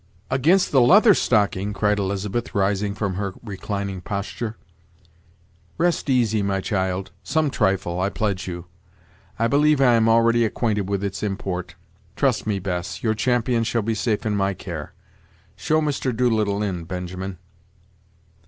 "Against the Leather Stocking!" cried Elizabeth, rising from her reclining posture. "Rest easy, my child; some trifle, I pledge you; I believe I am already acquainted with its import Trust me, Bess, your champion shall be safe in my care. Show Mr. Doolittle in, Benjamin."